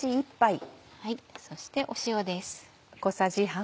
そして塩です。